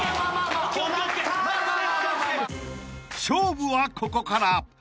［勝負はここから］